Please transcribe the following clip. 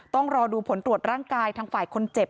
ต้องรอดูผลตรวจร่างกายทางฝ่ายคนเจ็บ